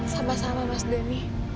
sama sama mas donny